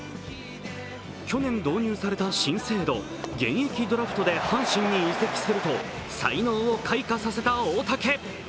去年導入された新制度、現役ドラフトで阪神に移籍すると才能を開花させた大竹。